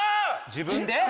自分で？